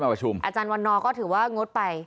อาจารย์วันนอก็ถือว่างดไป